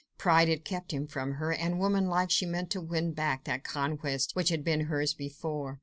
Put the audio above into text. Pride had kept him from her, and, woman like, she meant to win back that conquest which had been hers before.